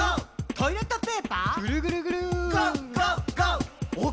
「トイレットペーパーＧＯＧＯＧＯ」ぐるぐるぐる！